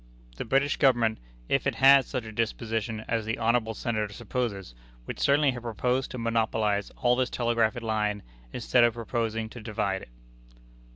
The British Government, if it had such a disposition as the honorable Senator supposes, would certainly have proposed to monopolize all this telegraphic line, instead of proposing to divide it."